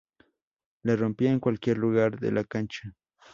La rompía en cualquier lugar de la cancha".